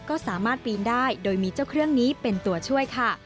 ก็สามารถปีนได้โดยมีเจ้าเครื่องนี้เป็นตัวช่วยค่ะ